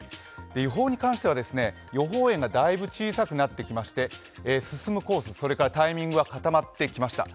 予報に関しては、予報円がだいぶ小さくなってきまして進むコース、それからタイミングが固まってきました。